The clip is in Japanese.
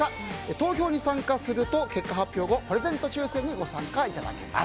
投票に参加すると結果発表後プレゼント抽選にご参加いただけます。